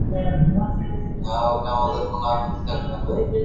তবে অবৈধ করাতকলের বিরুদ্ধে ব্যবস্থা নেওয়া হলে আমাদের কোনো আপত্তি থাকবে না।